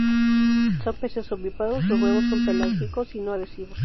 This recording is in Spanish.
Son peces ovíparos, los huevos son pelágicos y no adhesivos.